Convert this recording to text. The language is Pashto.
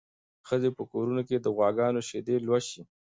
ښځې په کورونو کې د غواګانو شیدې لوشي.